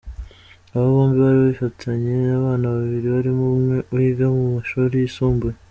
Aba bombi bari bafitanye abana babiri barimo umwe wiga mu mashuri yisumbuye.